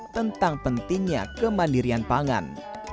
tentang pentingnya kemandirian pangan